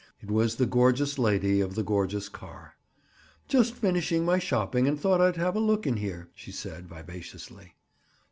It was the gorgeous lady of the gorgeous car. "Just finished my shopping and thought I'd have a look in here," she said vivaciously.